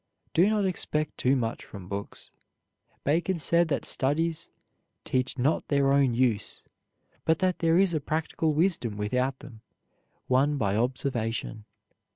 Do not expect too much from books. Bacon said that studies "teach not their own use, but that there is a practical wisdom without them, won by observation."